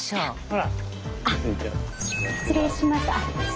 失礼します。